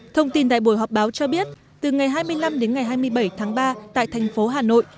thông tin tại buổi họp báo cho biết từ ngày hai mươi năm đến ngày hai mươi bảy tháng ba tại thành phố hà nội